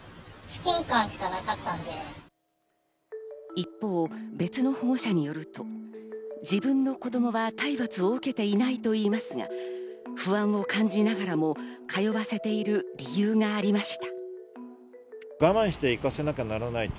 一方、別の保護者によると、自分の子供は体罰を受けていないと言いますが、不安を感じながらも通わせている理由がありました。